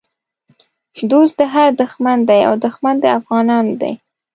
دوست د هر دښمن دی او دښمن د افغانانو دی